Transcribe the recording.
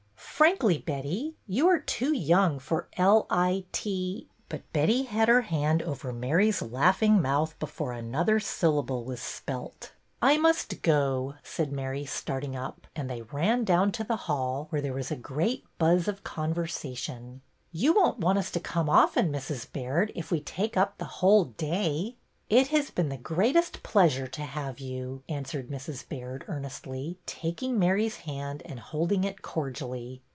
'' Frankly, Betty, you are too young for 1 i t —" But Betty had her hand over Mary's laughing mouth before another syllable was spelt. 134 BETTY BAIRD'S VENTURES I must go," said Mary, starting up, and they ran down to the hall, where there was a great buzz of conversation. " You won't want us to come often, Mrs. Baird, if we take up the whole day." " It has been the greatest pleasure to have you," answered Mrs. Baird, earnestly, taking Mary's hand and holding it cordially.